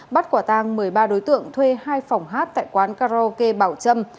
bắt quả tang một mươi ba đối tượng thuê hai phòng hát tại quán karaoke bảo trâm